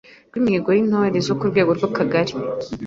ry’Imihigo y’Intore zo ku rwego rw’Akagari;